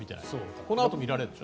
このあと見られるんでしょ？